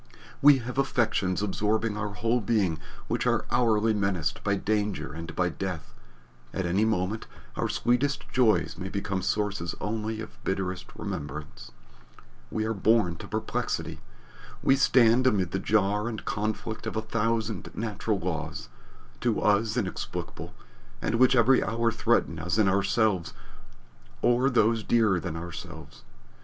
We have affections absorbing our whole being which are hourly menaced by danger and by death at any moment our sweetest joys may become sources only of bitterest remembrance. We are born to perplexity. We stand amid the jar and conflict of a thousand natural laws, to us inexplicable, and which every hour threaten us in ourselves or those dearer than ourselves.